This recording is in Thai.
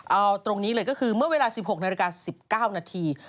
เอาตรงนี้เลยก็คือเมื่อเวลา๑๖นาฬิกา๑๙นาที